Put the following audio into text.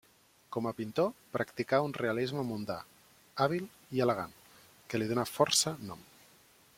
Com a pintor practicà un realisme mundà, hàbil i elegant, que li donà força nom.